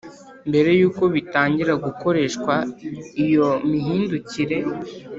Mbere yuko bitangira gukoreshwa iyo mihindukire